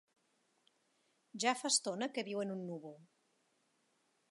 Ja fa estona que viu en un núvol.